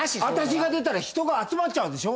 「私が出たら人が集まっちゃう。